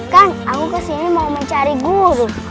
kan aku kesini mau mencari guru